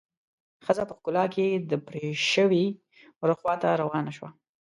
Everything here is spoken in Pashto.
ښځه په کلا کې د پرې شوي وره خواته روانه شوه.